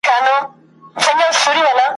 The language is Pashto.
ډیر ښایسته و بلوري دي ستا کورونه